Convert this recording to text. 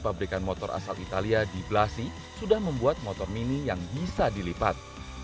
pabrikan motor asal italia di blasi sudah membuat motor mini yang bisa dilipat